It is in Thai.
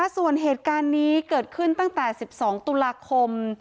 ส่วนเหตุการณ์นี้เกิดขึ้นตั้งแต่๑๒ตุลาคม